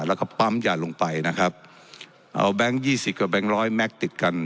แล้วก็ปั๊มยาลงไปนะครับเอาแบงค์ยี่สิบกับแบงค์ร้อยแม็กซ์ติดกัน